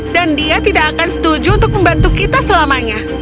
dan dia tidak akan setuju untuk membantu kita selamanya